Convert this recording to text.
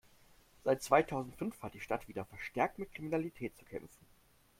Seit zweitausendfünf hat die Stadt wieder verstärkt mit Kriminalität zu kämpfen.